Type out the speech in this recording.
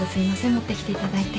持ってきていただいて。